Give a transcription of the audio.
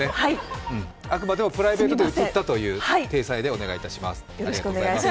あくまでもプライベートで来たという体裁でお願いします。